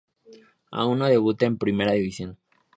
Aún no debuta en Primera División.